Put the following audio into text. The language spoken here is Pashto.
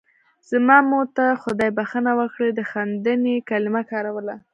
زما مور ته خدای بښنه وکړي د غندنې کلمه کاروله.